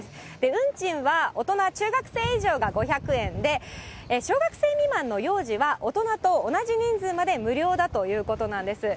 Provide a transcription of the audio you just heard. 運賃は大人・中学生以上が５００円で、小学生未満の幼児は大人と同じ人数まで無料だということなんです。